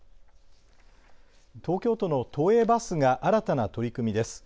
東京都の都営バスが新たな取り組みです。